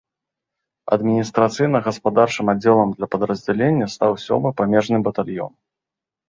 Адміністрацыйна-гаспадарчым аддзелам для падраздзялення стаў сёмы памежны батальён.